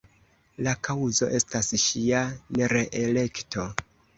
La kaŭzo estas ŝia nereelekto.